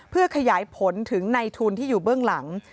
เพื่อขยายผลถึงในทุนที่อยู่เบื้องหลัง